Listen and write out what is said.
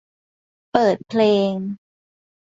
เปิดเพลง